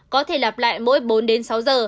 có thể lặp lại mỗi bốn sáu giờ